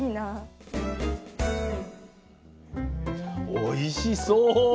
おいしそう！